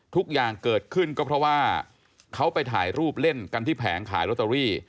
ทุกอย่างเกิดขึ้นก็เพราะว่าเขาไปถ่ายรูปเล่นกันที่แผงขายลอตเตอรี่